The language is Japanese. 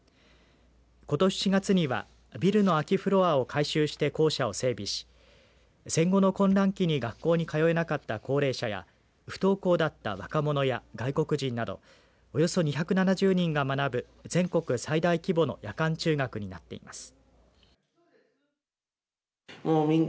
ことし４月にはビルの空きフロアを改修して校舎を整備し戦後の混乱期に学校に通えなかった高齢者や不登校だった若者や外国人などおよそ２７０人が学ぶ全国最大規模の夜間中学になっています。